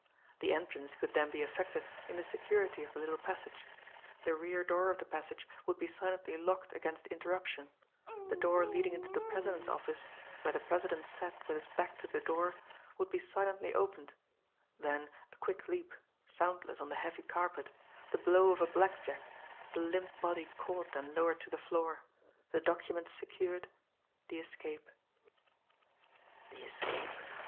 The entrance could then be effected in the security of the little passage; the rear door of the passage would be silently locked against interruption; the door leading into the president's office, where the president sat with his back to the door, would be silently opened then a quick leap, soundless on the heavy carpet the blow of a blackjack the limp body caught and lowered to the floor the documents secured the escape. The escape!